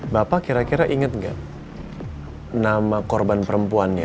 bapak kira kira inget gak nama korban perempuannya